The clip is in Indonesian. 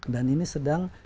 dan ini sedang